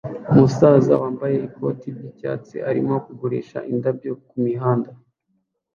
Umusaza wambaye ikoti ryicyatsi arimo kugurisha indabyo kumihanda